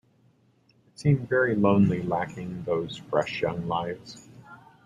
It seemed very lonely, lacking those fresh young lives.